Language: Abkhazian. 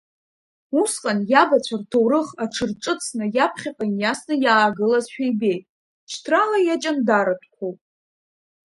Усҟан иабацәа рҭоурых аҽырҿыцны иаԥхьаҟа иниасны иаагылазшәа ибеит, шьҭрала иаҷандаратәқәоуп.